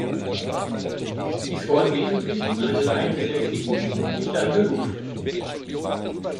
Dies war im Wesentlichen eine Laien-Beschäftigung und nicht ein Beruf.